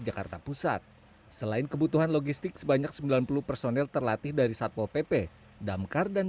jakarta pusat selain kebutuhan logistik sebanyak sembilan puluh personel terlatih dari satpol pp damkar dan